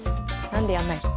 何でやんないの？